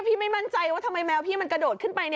ไม่มั่นใจว่าทำไมแมวพี่มันกระโดดขึ้นไป